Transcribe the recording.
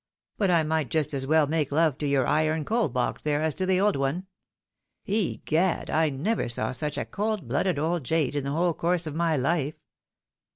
But I might just as well make love to your iron coal box there as to the old one. Egad, I never saw such a cold blooded old jade in the whole course of my Ufe.